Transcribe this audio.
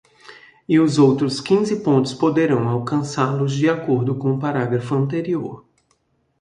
E os outros quinze pontos poderão alcançá-los de acordo com o parágrafo anterior.